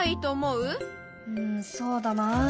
うんそうだなあ。